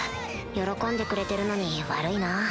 喜んでくれてるのに悪いな